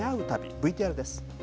ＶＴＲです。